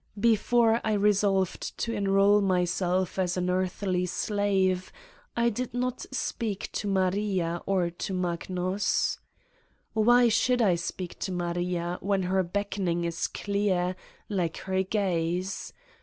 Before I resolved to enroll myself as an earthly slave I did not speak to Maria or to Magnus. ... Why should I speak to Maria when her beckoning is clear, like her gaze?